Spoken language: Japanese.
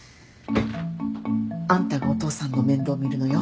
あんたがお父さんの面倒見るのよ。